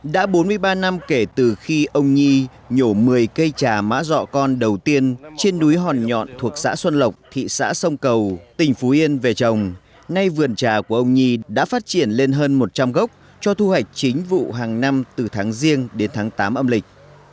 đã bốn mươi ba năm kể từ khi ông nhiổ một mươi cây trà mã giọ con đầu tiên trên núi hòn nhọn thuộc xã xuân lộc thị xã sông cầu tỉnh phú yên về trồng nay vườn trà của ông nhi đã phát triển lên hơn một trăm linh gốc cho thu hoạch chính vụ hàng năm từ tháng riêng đến tháng tám âm lịch